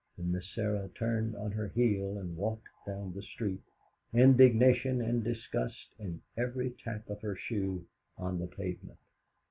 And Miss Sarah turned on her heel and walked down the street, indignation and disgust in every tap of her shoe on the pavement.